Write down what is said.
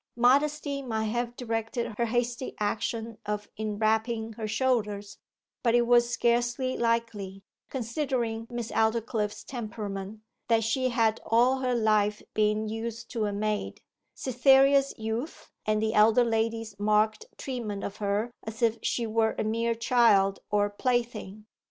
Modesty might have directed her hasty action of enwrapping her shoulders, but it was scarcely likely, considering Miss Aldclyffe's temperament, that she had all her life been used to a maid, Cytherea's youth, and the elder lady's marked treatment of her as if she were a mere child or plaything.